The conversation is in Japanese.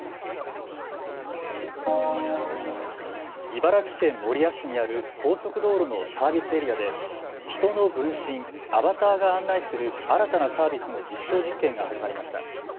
茨城県守谷市にある高速道路のサービスエリアで人の分身、アバターが案内する新たなサービスの実証実験が始まりました。